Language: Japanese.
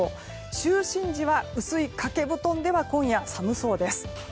就寝時は、薄い掛け布団では今夜は寒そうです。